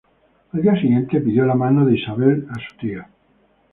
Al día siguiente pidió la mano de Isabel a su tía.